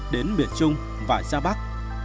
đến miền trung và xa bắc